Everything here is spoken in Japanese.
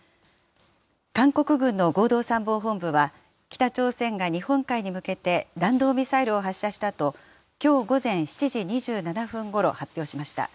韓国軍の合同参謀本部は、北朝鮮が日本海に向けて、弾道ミサイルを発射したと、きょう午前７時２７分ごろ、発表しました。